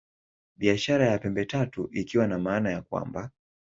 Biashara ya Pembe Tatu ikiwa na maana ya kwamba